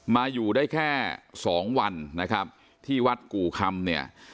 มาอยู่ได้แค่สองวันนะครับที่วัดกู่คำเนี่ย